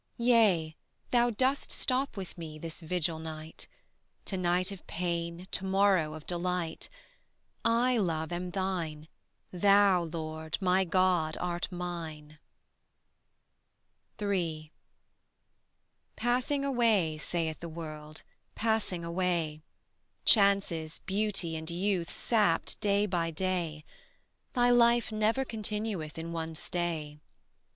Yea, Thou dost stop with me this vigil night; To night of pain, to morrow of delight: I, Love, am Thine; Thou, Lord, my God, art mine. 3. Passing away, saith the World, passing away: Chances, beauty and youth sapped day by day: Thy life never continueth in one stay.